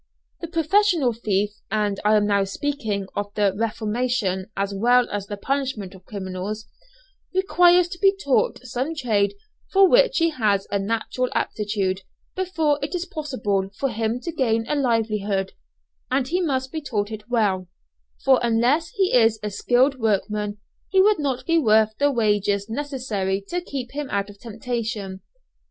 The professional thief and I am now speaking of the reformation as well as the punishment of criminals requires to be taught some trade for which he has a natural aptitude before it is possible for him to gain a livelihood, and he must be taught it well, for unless he is a skilled workman he would not be worth the wages necessary to keep him out of temptation.